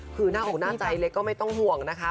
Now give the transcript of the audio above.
คือหน้าอกหน้าใจเล็กก็ไม่ต้องห่วงนะคะ